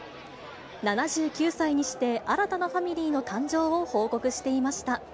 ７９歳にして、新たなファミリーの誕生を報告していました。